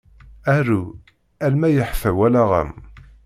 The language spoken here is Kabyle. Aru arma yeḥfa wallaɣ-am.